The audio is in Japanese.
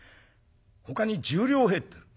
ほかに１０両入ってる。